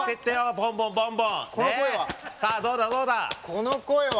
この声は。